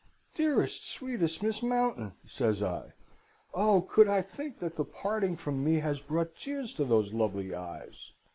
"'Dearest, sweetest Miss Mountain!' says I. 'Oh, could I think that the parting from me has brought tears to those lovely eyes!